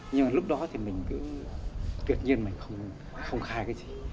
nhưng mà lúc đó thì tuyệt nhiên mình không khai cái gì